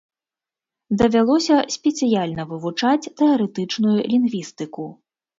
Давялося спецыяльна вывучаць тэарэтычную лінгвістыку.